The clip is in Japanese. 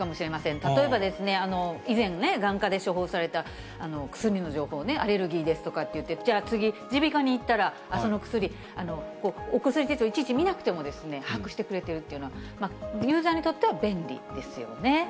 例えばですね、以前ね、眼科で処方された薬の情報をね、アレルギーですとかって、じゃあ、次、耳鼻科に行ったら、その薬、お薬手帳いちいち見なくても把握してくれているというのは、ユーザーにとっては便利ですよね。